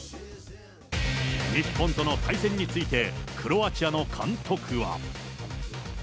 日本との対戦についてクロアチアの監督は。